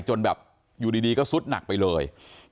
จนแบบอยู่ดีก็สุดหนักไปเลย